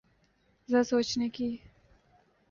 ذرا سوچنے کی۔